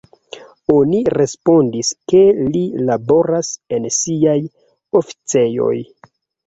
Oni respondis, ke li laboras en siaj oficejoj.